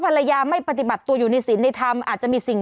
ภรรยาไม่ปฏิบัติตัวอยู่ในศีลในธรรมอาจจะมีสิ่ง